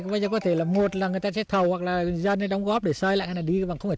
bây giờ có thể là một là người ta sẽ thầu hoặc là dân này đóng góp để xoay lại này đi bằng không phải